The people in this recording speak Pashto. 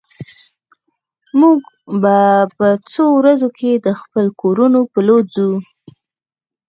موږ به په څو ورځو کې د خپلو کورونو په لور ځو